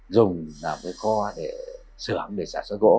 dùng kho để sửa để sản xuất gỗ